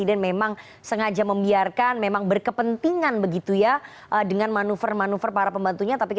sebagai ketua umum partai politik